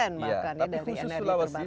tapi khusus sulawesi